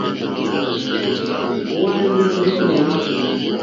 Wàná ndɛ́nɛ̀.